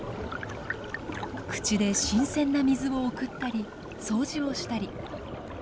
口で新鮮な水を送ったり掃除をしたり。